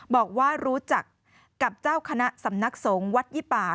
บอกว่ารู้จักกับเจ้าคณะสำนักสงฆ์วัดยี่ป่า